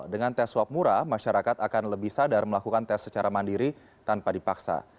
dengan tes swab murah masyarakat akan lebih sadar melakukan tes secara mandiri tanpa dipaksa